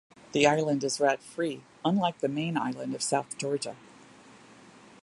The island is rat-free, unlike the main island of South Georgia.